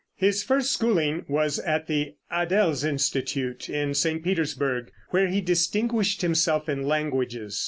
His first schooling was at the Adelsinstitute in St. Petersburg, where he distinguished himself in languages.